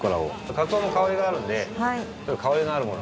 カツオも香りがあるんでちょっと香りがあるもの